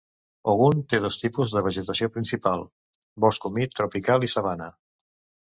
Ogun té dos tipus de vegetació principal: bosc humit tropical i sabana.